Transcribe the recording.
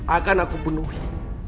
akan aku penuhi